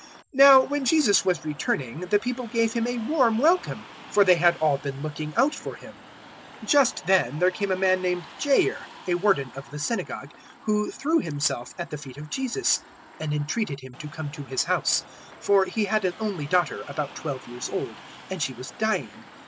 008:040 Now when Jesus was returning, the people gave Him a warm welcome; for they had all been looking out for Him. 008:041 Just then there came a man named Jair, a Warden of the Synagogue, who threw himself at the feet of Jesus, and entreated Him to come to his house; 008:042 for he had an only daughter, about twelve years old, and she was dying.